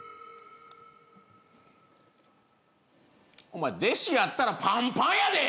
お前弟子やったらパンパンやで！